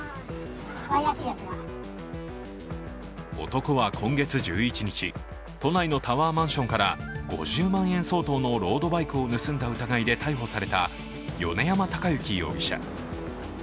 男は今月１１日、都内のタワーマンションから５０万円相当のロードバイクを盗んだ疑いで逮捕された米山貴之容疑者。